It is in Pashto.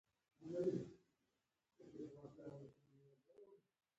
دوه پله یي تلې سره اندازه کوو.